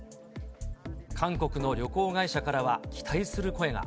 韓国の旅行会社からは期待する声が。